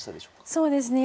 そうですね